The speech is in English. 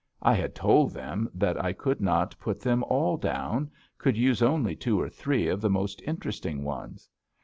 I had told them that I could not put them all down could use only two or three of the most interesting ones.